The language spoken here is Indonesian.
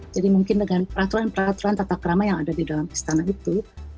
jadi mungkin dengan peraturan peraturan tata kerama yang ada di dalam istana itu